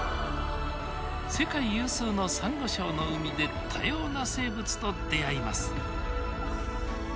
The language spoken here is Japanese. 世界有数の、さんご礁の海で多様な生物と出会います。